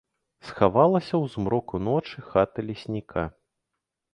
Схавалася ў змроку ночы хата лесніка.